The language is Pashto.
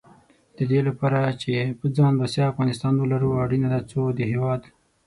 د دې لپاره چې په ځان بسیا افغانستان ولرو، اړینه ده څو د هېواد